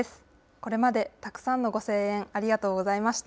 これまで、たくさんのご声援ありがとうございました。